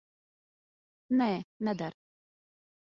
Nē, neder.